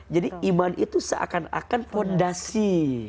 jadi iman itu seakan akan fondasi